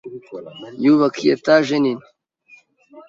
yubaka iyi etage nini